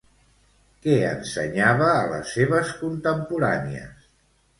Què ensenyava a les seves contemporànies?